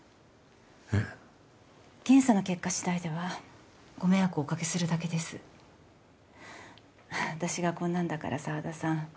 えっ検査の結果次第ではご迷惑をおかけするだけです私がこんなんだから沢田さん